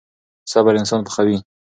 صبر انسان پخوي.